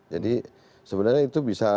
jadi sebenarnya itu bisa